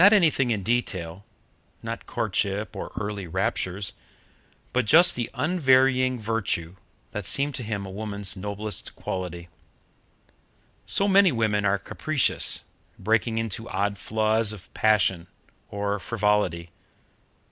Not anything in detail not courtship or early raptures but just the unvarying virtue, that seemed to him a woman's noblest quality. So many women are capricious, breaking into odd flaws of passion or frivolity.